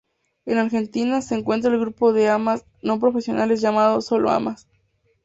En Argentina, se encuentra el grupo de amas no profesionales, llamado "Solo Amas".